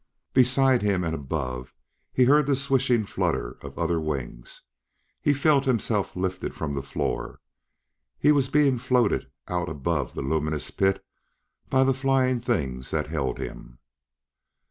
Beside him and above he heard the swishing flutter of other wings; he felt himself lifted from the floor; he was being floated out above the luminous pit by the flying things that held him.